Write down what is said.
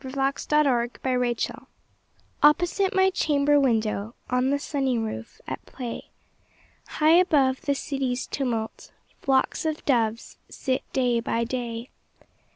Louisa May Alcott My Doves OPPOSITE my chamber window, On the sunny roof, at play, High above the city's tumult, Flocks of doves sit day by day.